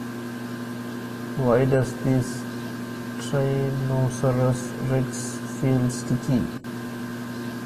Why does this tyrannosaurus rex feel sticky?